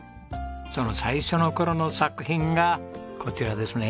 その最初の頃の作品がこちらですね。